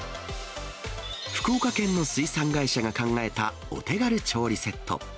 福岡県の水産会社が考えたお手軽調理セット。